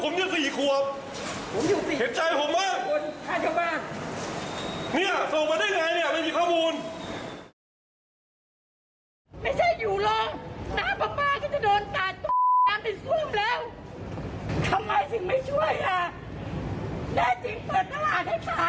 แน่จริงเปิดตลาดให้ขายดิจำไม่มาเอา๕๐๐๐